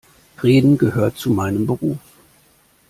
Reden gehört zu meinem Beruf.